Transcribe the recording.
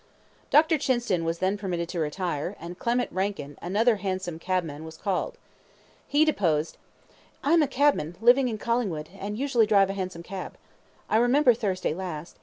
Dr. Chinston was then permitted to retire, and Clement Rankin, another hansom cabman, was called. He deposed: I am a cabman, living in Collingwood, and usually drive a hansom cab. I remember Thursday last.